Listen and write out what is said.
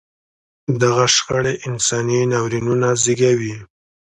دغه شخړې انساني ناورینونه زېږوي.